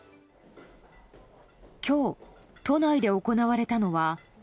今日、都内で行われたのは。